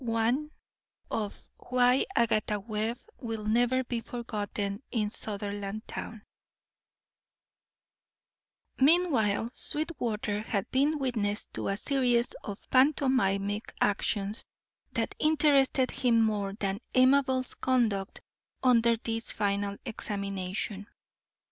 XXXII WHY AGATHA WEBB WILL NEVER BE FORGOTTEN IN SUTHERLANDTOWN Meanwhile Sweetwater had been witness to a series of pantomimic actions that interested him more than Amabel's conduct under this final examination.